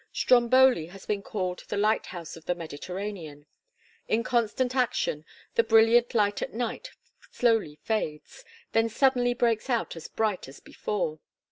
Stromboli has been called the light house of the Mediterranean. In constant action, the brilliant light at night slowly fades: then suddenly breaks out as bright as before.